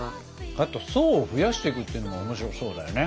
あと層を増やしていくっていうのもおもしろそうだよね。